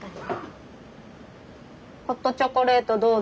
ホットチョコレートどうぞ。